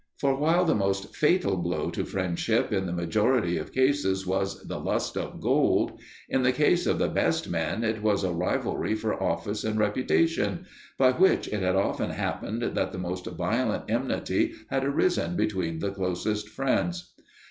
For while the most fatal blow to friendship in the majority of cases was the lust of gold, in the case of the best men it was a rivalry for office and reputation, by which it had often happened that the most violent enmity had arisen between the closest friends.